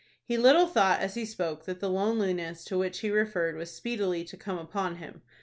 He little thought as he spoke that the loneliness to which he referred was speedily to come upon him.